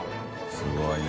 すごいね。